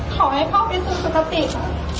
ขอให้พ่อไปสุขสุขติด